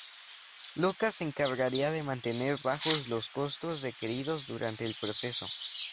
Lucas se encargaría de mantener bajos los costos requeridos durante el proceso.